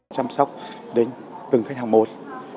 chăm sóc đến từng khách hàng một